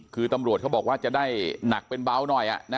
คือตำรวจเขาบอกว่าจะได้หนักเป็นเบาหน่อย